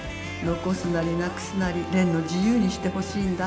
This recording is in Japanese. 残すなりなくすなり蓮の自由にしてほしいんだ。